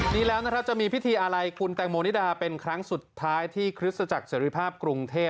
นี้แล้วจะมีพิธีอะไรคุณแต่งโมนิดาเป็นครั้งสุดท้ายที่คริสต์จากเสร็จวิภาพกรุงเทพฯ